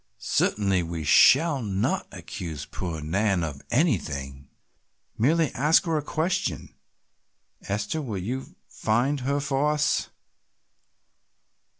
Certainly we shall not accuse poor Nan of anything, merely ask her a question. Esther, will you find her for us?"